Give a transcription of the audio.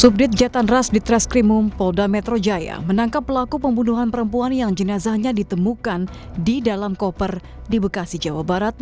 subdit jatan ras di treskrimum polda metro jaya menangkap pelaku pembunuhan perempuan yang jenazahnya ditemukan di dalam koper di bekasi jawa barat